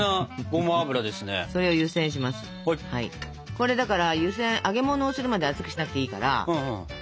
これだから湯せん揚げものをするまで熱くしなくていいから。